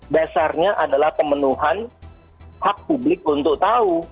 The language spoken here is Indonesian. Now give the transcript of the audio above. dasarnya adalah pemenuhan hak publik untuk tahu